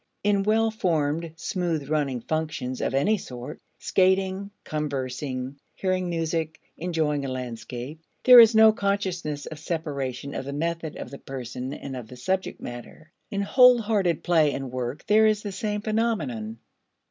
In well formed, smooth running functions of any sort, skating, conversing, hearing music, enjoying a landscape, there is no consciousness of separation of the method of the person and of the subject matter. In whole hearted play and work there is the same phenomenon.